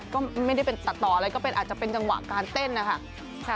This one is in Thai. ก็ไม่ได้เป็นตัดต่ออะไรก็เป็นอาจจะเป็นจังหวะการเต้นนะคะ